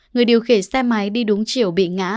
người điều khiển xe máy đi đúng chiều bị ngã